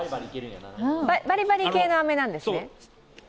バリバリ系の飴なんですね？